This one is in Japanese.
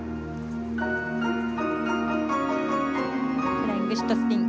フライングシットスピン。